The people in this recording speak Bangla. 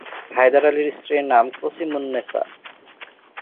হায়দার আলীর স্ত্রীর নাম কসিমুন্নেসা।